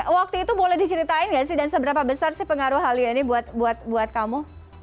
waktu itu boleh diceritain gak sih dan seberapa besar sih pengaruh hal ya ini buat kamu